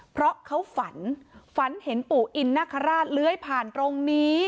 เพราะเขาฝันฝันเห็นปู่อินนาคาราชเลื้อยผ่านตรงนี้